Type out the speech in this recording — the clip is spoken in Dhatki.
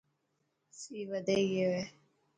سي وڌي گيو هي.